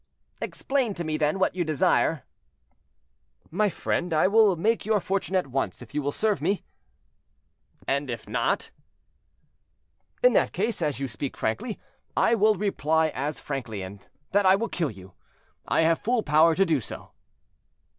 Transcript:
"Explain to me then what you desire." "My friend, I will make your fortune at once, if you will serve me." "And if not?" "In that case, as you speak frankly, I will reply as frankly, that I will kill you; I have full power to do so."